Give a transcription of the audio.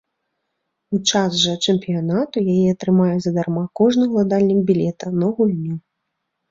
У час жа чэмпіянату яе атрымае задарма кожны ўладальнік білета на гульню.